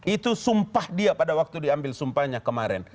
itu sumpah dia pada waktu diambil sumpahnya kemarin